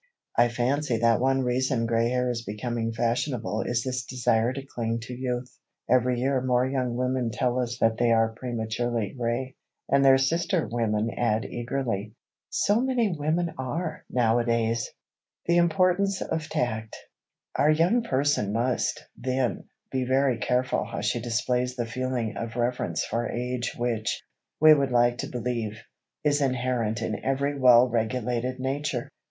I fancy that one reason gray hair is becoming fashionable is this desire to cling to youth. Every year more young women tell us that they are prematurely gray, and their sister women add eagerly, "So many women are, nowadays!" [Sidenote: THE IMPORTANCE OF TACT] Our Young Person must, then, be very careful how she displays the feeling of reverence for age which, we would like to believe, is inherent in every well regulated nature.